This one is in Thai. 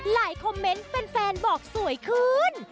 หลายคอมเมนต์เป็นแฟนบอกสวยขึ้น